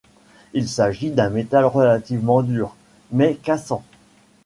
Il s'agit d'un métal relativement dur, mais cassant.